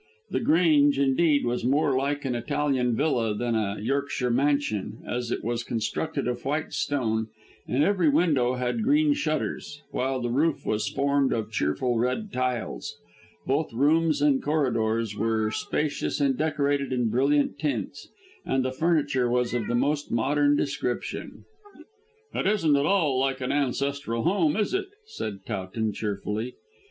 The Grange, indeed, was more like an Italian villa than a Yorkshire mansion, as it was constructed of white stone and every window had green shutters, while the roof was formed of cheerful red tiles. Both rooms and corridors were spacious and decorated in brilliant tints, and the furniture was of the most modern description. "It isn't at all like an ancestral home, is it?" said Towton cheerfully.